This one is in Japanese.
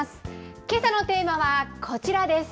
けさのテーマはこちらです。